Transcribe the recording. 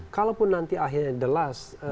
kalaupun nanti akhirnya the last